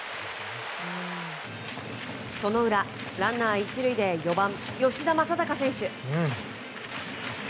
その裏、ランナー１塁で４番、吉田正尚選手。